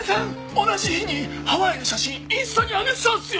同じ日にハワイの写真インスタに上げてたんすよ！」